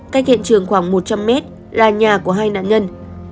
cách hiện trường khoảng một trăm linh mét là nhà của hai nạn nhân